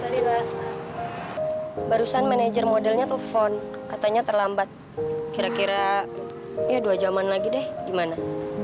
lila barusan manajer modelnya telepon katanya terlambat kira kira ya dua jam an lagi deh gimana